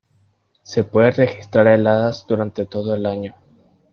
Se pueden registrar heladas durante todo el año.